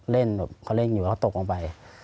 เล่นอยู่แล้วตกลงไป